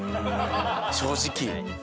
正直。